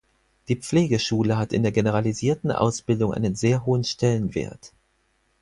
Die Pflegeschule hat in der generalisierten Ausbildung einen sehr hohen Stellenwert.